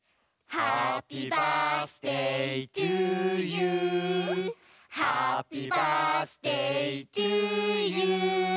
「ハッピーバースデートゥユー」「ハッピーバースデートゥユー」